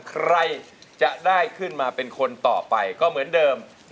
ใครจะได้ขึ้นมาเป็นคนต่อไปก็เหมือนเดิม